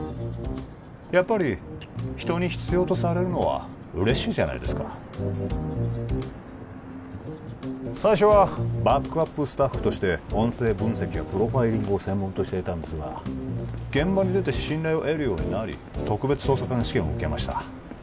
やっぱり人に必要とされるのは嬉しいじゃないですか最初はバックアップスタッフとして音声分析やプロファイリングを専門としていたんですが現場に出て信頼を得るようになり特別捜査官試験を受けました